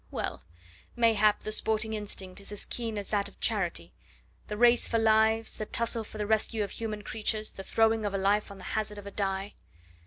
Well! mayhap the sporting instinct is as keen as that of charity the race for lives, the tussle for the rescue of human creatures, the throwing of a life on the hazard of a die."